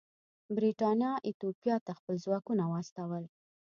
برېټانیا ایتوپیا ته خپل ځواکونه واستول.